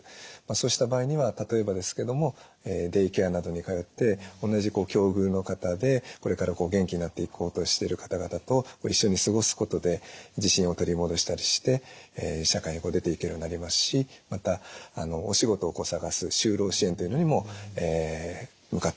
そうした場合には例えばですけどもデイケアなどに通って同じ境遇の方でこれから元気になっていこうとしてる方々と一緒に過ごすことで自信を取り戻したりして社会に出ていけるようになりますしまたお仕事を探す就労支援というのにも向かっていけます。